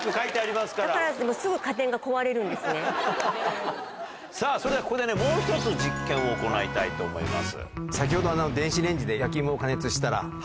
だからすぐ家電が壊れるんでさあ、それではここでね、もう一つ実験を行いたいと思います。